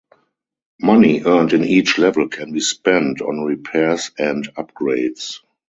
Money earned in each level can be spent on repairs and upgrades.